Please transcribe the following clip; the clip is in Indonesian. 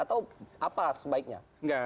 atau apa sebaiknya